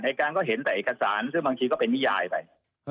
อายการก็เห็นแต่เอกสารซึ่งบางทีก็เป็นนิยายไป